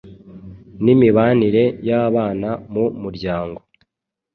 nimibanire y’abana mu muryango